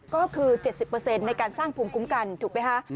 ก็คือ๗๐เปอร์เซ็นต์ในการสร้างภูมิคุ้มกันถูกไหมฮะ